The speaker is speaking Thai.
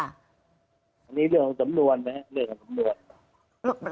อันนี้เรื่องของสำนวนนะครับเรื่องของสำนวน